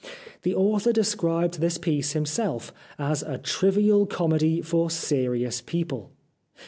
The author described this piece himself as a " trivial comedy for serious people."